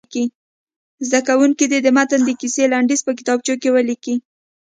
زده کوونکي دې د متن د کیسې لنډیز په کتابچو کې ولیکي.